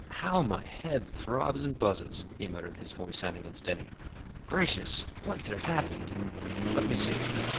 "How my head throbs and buzzes!" he muttered, his voice sounding unsteady. "Gracious! What could have happened? Let me see.